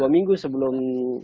dua minggu sebelum